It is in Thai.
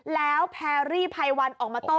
แล้วแพรรี่ไพวันออกมาโต้